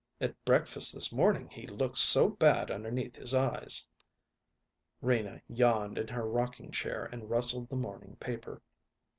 At breakfast this morning he looked so bad underneath his eyes." Rena yawned in her rocking chair and rustled the morning paper.